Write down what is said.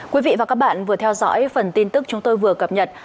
quý vị và các bạn vừa theo dõi phần tin tức chúng tôi vừa cập nhật